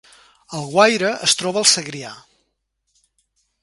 Alguaire es troba al Segrià